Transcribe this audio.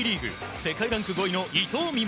世界ランク５位の伊藤美誠。